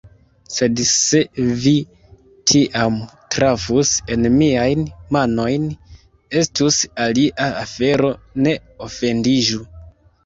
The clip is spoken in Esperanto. Sed se vi tiam trafus en miajn manojn, estus alia afero, ne ofendiĝu!